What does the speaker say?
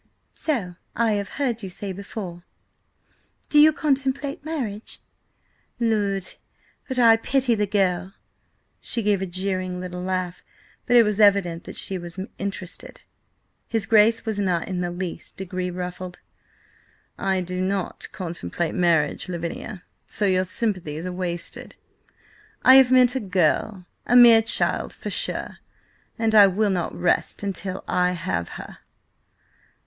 "So I have heard you say before. Do you contemplate marriage? Lud! but I pity the girl." She gave a jeering little laugh, but it was evident that she was interested. His Grace was not in the least degree ruffled. "I do not contemplate marriage, Lavinia, so your sympathies are wasted. I have met a girl–a mere child, for sure–and I will not rest until I have her."